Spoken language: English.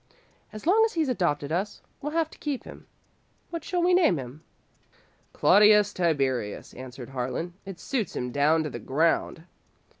"As long as he's adopted us, we'll have to keep him. What shall we name him?" "Claudius Tiberius," answered Harlan. "It suits him down to the ground."